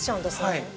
はい。